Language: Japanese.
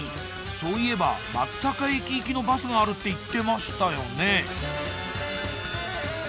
そういえば松阪駅行きのバスがあるって言ってましたよね。